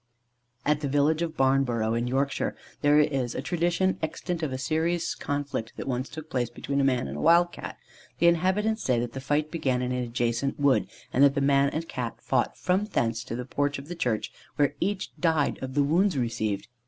At the village of Barnborough, in Yorkshire, there is a tradition extant of a serious conflict that once took place between a man and a wild Cat. The inhabitants say that the fight began in an adjacent wood, and that the man and Cat fought from thence to the porch of the church, where each died of the wounds received.